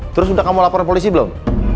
terus udah kamu laporan polisi belum